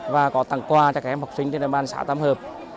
và có tặng quà cho các em học sinh trên đài ban xã tam hợp